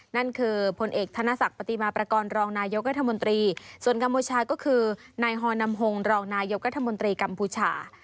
นั่นคือผลเอกธนศักดิ์ปฏิมาประกอบรองนายกรัฐมนตรีส่วนกัมพูชาก็คือนายฮอนำฮงรองนายกรัฐมนตรีกัมพูชา